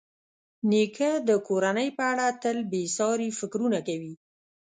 نیکه د کورنۍ په اړه تل بېساري فکرونه کوي.